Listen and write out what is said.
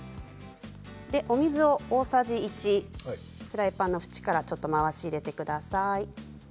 お水も大さじ１フライパンの縁から回し入れてください。